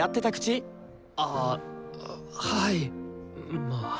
ああはいまあ。